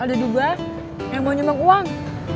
ada juga yang mau nyumbang uang